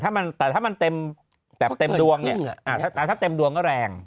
แต่ถ้ามันเต็มดวงเนี่ยแต่ถ้าเต็มดวงก็แรง